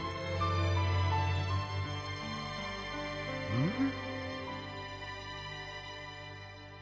うん。